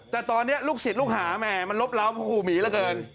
แต่ตอนนี้ลูกศิษย์ลูกหาแม่มันลบเล้าพระครูหมีเหลือเกิน